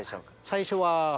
最初は。